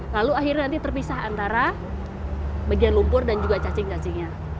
lalu akhirnya nanti terpisah antara bagian lumpur dan juga cacing cacingnya